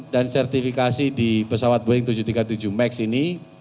dan sertifikasi di pesawat boeing tujuh ratus tiga puluh tujuh max ini